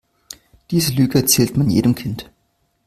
Diese Lüge erzählt man jedem Kind.